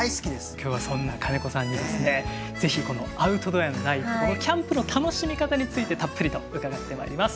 今日はそんな金子さんにですね是非このアウトドアへの第一歩キャンプの楽しみ方についてたっぷりと伺ってまいります。